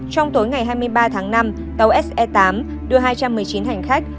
trong tối ngày hai mươi ba tháng năm tàu se tám đưa hai trăm một mươi chín hành khách